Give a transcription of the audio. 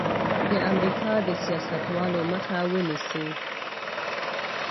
د امریکا د سیاستوالو مخه ونیسي.